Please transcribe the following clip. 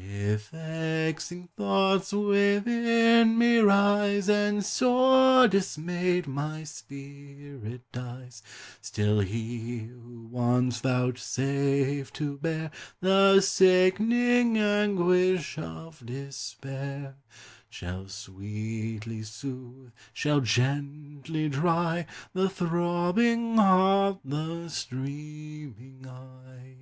If vexing thoughts within me rise, And sore dismayed my spirit dies, Still He who once vouchsafed to bear The sickening anguish of despair Shall sweetly soothe, shall gently dry, The throbbing heart, the streaming eye.